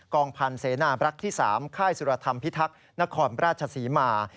องพันธ์เสนาบรักษ์ที่๓ค่ายสุรธรรมพิทักษ์นครราชศรีมา